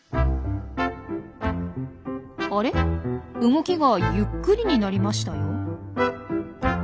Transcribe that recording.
あれ動きがゆっくりになりましたよ。